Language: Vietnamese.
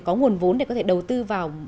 có nguồn vốn để có thể đầu tư vào